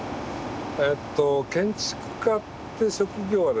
えっと建築家って職業はですね